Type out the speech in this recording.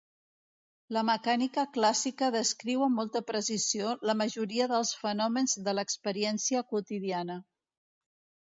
La mecànica clàssica descriu amb molta precisió la majoria dels fenòmens de l'experiència quotidiana.